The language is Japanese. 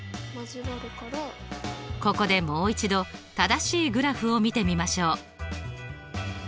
ここでもう一度正しいグラフを見てみましょう。